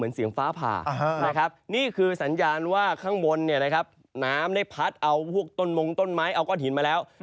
นี่คือสัญญาณว่าข้างบนน้ำได้พัดเอาพวกต้นมงต้นไม้เอาก้อนหินมาแล้ว